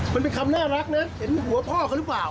มันเป็นคำน่ารักนะเห็นหัวพ่อเขาหรือเปล่า